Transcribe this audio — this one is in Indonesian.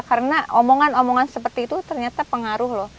karena omongan omongan seperti itu ternyata pengaruh loh